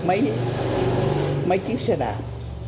mấy chiếc xe đạp